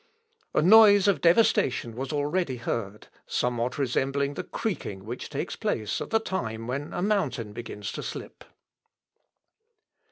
A noise of devastation was already heard, somewhat resembling the creaking which takes place at the time when a mountain begins to slip.